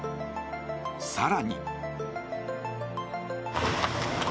更に。